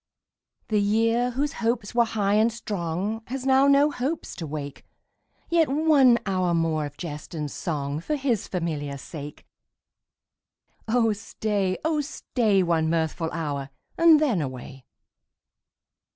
The year, whose hopes were high and strong, Has now no hopes to wake ; Yet one hour more of jest and song For his familiar sake. Oh stay, oh stay, One mirthful hour, and then away.